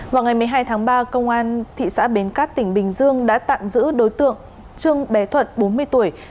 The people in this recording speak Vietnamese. vào ngày một mươi hai tháng ba công an thị xã bến cát tỉnh bình dương đã tạm giữ đối tượng trương bé thuận bốn mươi tuổi